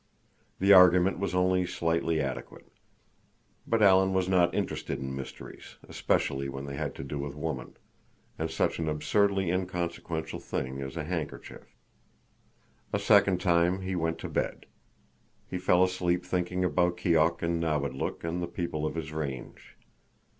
The argument was only slightly adequate. But Alan was not interested in mysteries, especially when they had to do with woman—and such an absurdly inconsequential thing as a handkerchief. A second time he went to bed. He fell asleep thinking about Keok and Nawadlook and the people of his range.